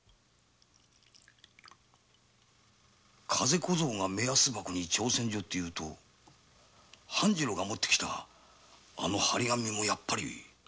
風小僧が目安箱に挑戦状というと半次郎が持って来たあのはり紙もやっぱり。